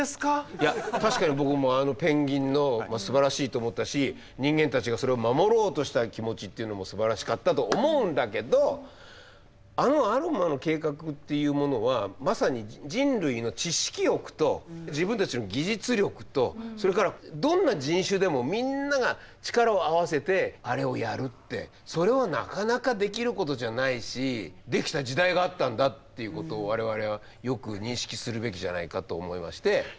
いや確かに僕もあのペンギンのすばらしいと思ったし人間たちがそれを守ろうとした気持ちっていうのもすばらしかったと思うんだけどあのアルマの計画っていうものはまさに人類の知識欲と自分たちの技術力とそれからどんな人種でもみんなが力を合わせてあれをやるってそれはなかなかできることじゃないしできた時代があったんだっていうことを我々はよく認識するべきじゃないかと思いまして。